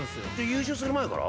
優勝する前から？